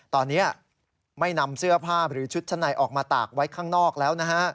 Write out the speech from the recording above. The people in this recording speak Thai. ตอนนี้ไม่นำเสื้อผ้าหรือชุดชั้นในออกมาตากไว้ข้างนอกแล้วนะฮะ